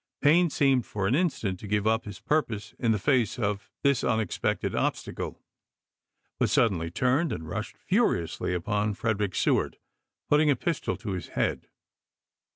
Payne seemed for an instant to give up his purpose in the face of this unexpected obstacle, but suddenly turned and rushed furiously upon Frederick Seward, putting a pistol to his head.